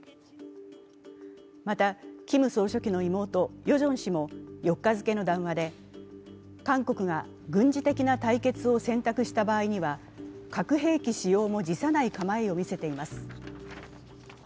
また、キム総書記の妹、ヨジョン氏も４日付の談話で韓国が軍事的な対決を選択した場合には核兵器使用も辞さない構えを見せています。